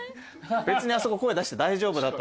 別にあそこ声出して大丈夫だった。